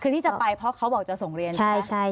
คือที่จะไปเพราะเขาบอกจะส่งเรียนใช่